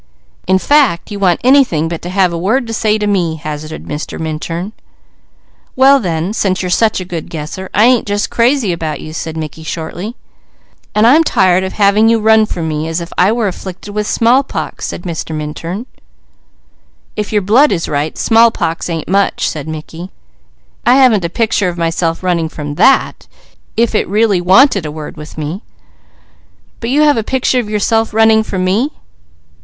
"In fact you want anything but to have a word to say to me!" hazarded Mr. Minturn. "Well then, since you are such a good guesser, I ain't just crazy about you," said Mickey shortly. "And I'm tired of having you run from me as if I were afflicted with smallpox," said Mr. Minturn. "If your blood is right, smallpox ain't much," said Mickey. "I haven't a picture of myself running from that, if it really wanted a word with me." "But you have a picture of yourself running from me?"